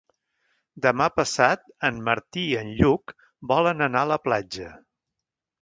Demà passat en Martí i en Lluc volen anar a la platja.